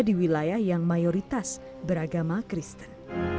di wilayah yang mayoritas beragama kristen